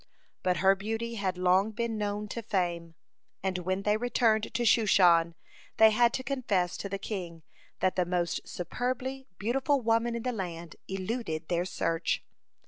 But her beauty had long been known to fame, and when they returned to Shushan, they had to confess to the king, that the most superbly beautiful woman in the land eluded their search.